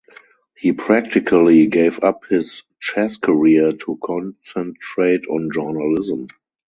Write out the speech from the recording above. He practically gave up his chess career to concentrate on journalism.